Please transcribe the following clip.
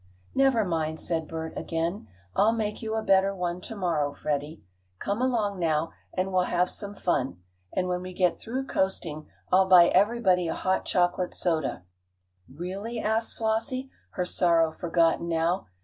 "Never mind," said Bert again. "I'll make you a better one to morrow, Freddie. Come along now, and we'll have some fun. And when we get through coasting I'll buy everybody a hot chocolate soda." "Really?" asked Flossie, her sorrow forgotten now.